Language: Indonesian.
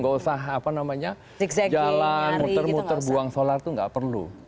nggak usah apa namanya jalan muter muter buang solar itu nggak perlu